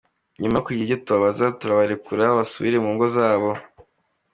Nyuma yo kugira ibyo tubabaza turabarekura basubire mu ngo zabo".